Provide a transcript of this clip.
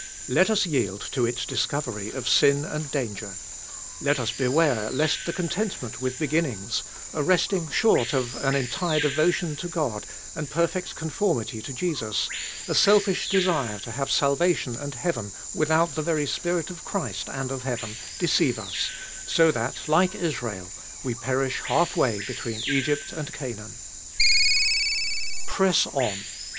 Let us yield to its discovery of sin and danger. Let us beware lest the content ment with beginnings, a resting short of an entire devotion to God and perfect conformity to Jesus, a selfish desire to have salvation and heaven without the very Spirit of Christ and of heaven, deceive us, so that, like Israel, we perish half way between Egypt and Canaan. Press on